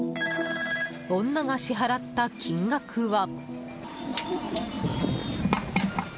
女が支払った金額は。